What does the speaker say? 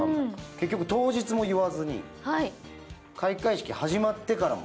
結局当日も言わずに開会式始まってからも。